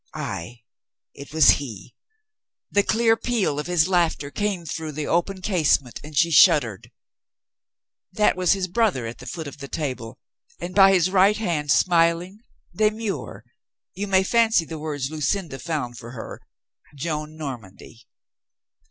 Ay, it was he. The clear peal of his laughter came through the open casement and she shuddered. That was his brother at the foot of the table and by his right hand, smiling, demure — you may fancy the words Lucinda found for her — Joan Normandy.